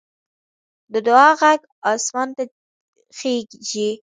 د دعا غږ اسمان ته خېژي